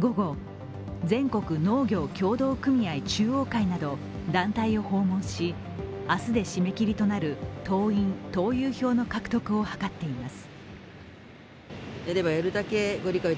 午後、全国農業協同組合中央会など団体を訪問し明日でし疫痢となる党員・党友票の獲得を図っています。